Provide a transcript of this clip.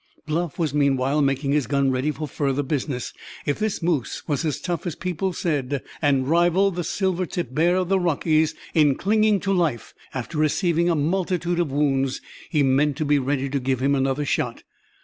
Bluff was meanwhile making his gun ready for further business. If this moose was as tough as people said, and rivaled the silver tip bear of the Rockies in clinging to life after receiving a multitude of wounds, he meant to be ready to give him another shot.